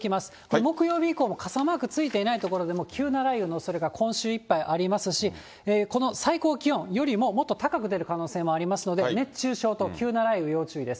木曜日以降も傘マークついていない所でも、急な雷雨のおそれが、今週いっぱいありますし、この最高気温よりももっと高く出る可能性がありますので、熱中症と急な雷雨、要注意です。